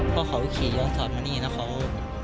พ่อเขาขี่รถจักรยนต์มานี่นะ